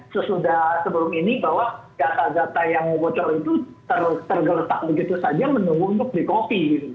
sesudah sebelum ini bahwa data data yang bocor itu tergeletak begitu saja menunggu untuk di copy